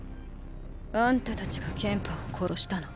あんたたちがケンパーを殺したの？